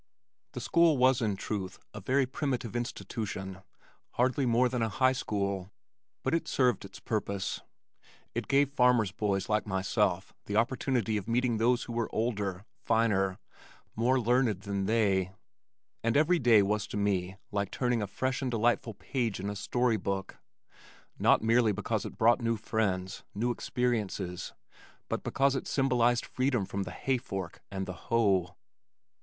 The school was in truth a very primitive institution, hardly more than a high school, but it served its purpose. It gave farmers' boys like myself the opportunity of meeting those who were older, finer, more learned than they, and every day was to me like turning a fresh and delightful page in a story book, not merely because it brought new friends, new experiences, but because it symbolized freedom from the hay fork and the hoe.